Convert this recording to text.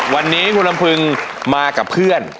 วันนี้คุณลำพึงมากับเพื่อน